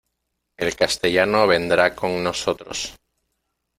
El castellano vendrá con nosotros.